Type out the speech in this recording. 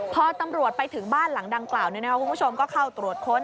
พอตำรวจไปถึงบ้านหลังดังกล่าวคุณผู้ชมก็เข้าตรวจค้น